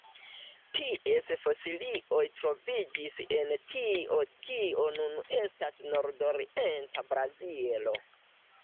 Ties fosilioj troviĝis en tio kio nun estas nordorienta Brazilo.